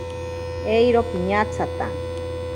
Eiro piñatsata.